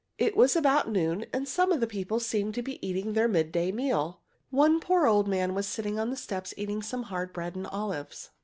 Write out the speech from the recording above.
It was about noon, and some of the people seemed to be eating their midday meal. One poor old man was sitting on a step eating some hard bread and olives.